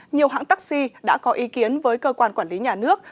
nhiều hãng taxi đã có ý kiến với cơ quan quản lý nhà nước